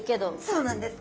そうなんです。